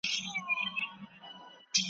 ایا ته هره ورځ مسواک کاروې؟